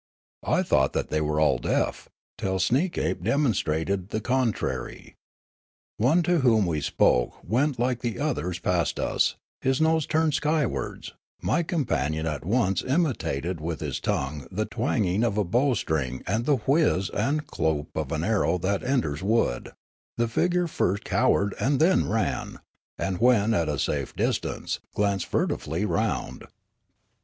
I thought that they were all deaf, till Sneekape demonstrated the 217 2i8 Riallaro contrary ; one to whom we spoke went like the others past us, his nose turned skywards ; my companion at once imitated with his tongue the twanging of a bow string and the whizz and cloop of an arrow that enters wood; the figure first cowered and then ran, and when at a safe distance glanced furtivel}' round.